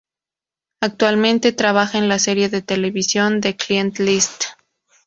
Actualmente trabaja en la serie de televisión The Client List.